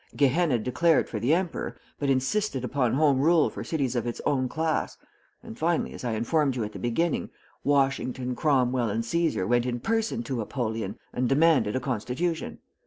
Gehenna declared for the Emperor, but insisted upon home rule for cities of its own class, and finally, as I informed you at the beginning, Washington, Cromwell, and Caesar went in person to Apollyon and demanded a constitution.